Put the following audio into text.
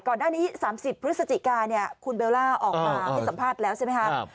ก่อนหน้านี้๓๐พฤศจิกาเนี่ยคุณเบลล่าออกมาให้สัมภาษณ์แล้วใช่ไหมครับ